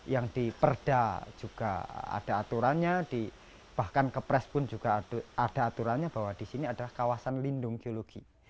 yang di perda juga ada aturannya bahkan kepres pun juga ada aturannya bahwa di sini adalah kawasan lindung geologi